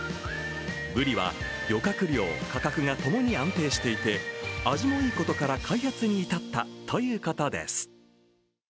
ぶりは漁獲量・価格がともに安定していて味もいいことから開発に至ったということです。